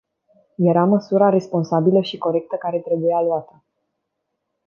Era măsura responsabilă și corectă care trebuia luată.